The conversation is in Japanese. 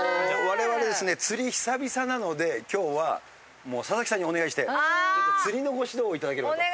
我々ですね釣り久々なので今日はもう佐々木さんにお願いして釣りのご指導をいただければと。